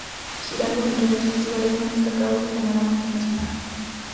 Girando dentro de los festivales más destacados del panorama internacional.